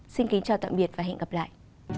xin kính chào tạm biệt và hẹn gặp lại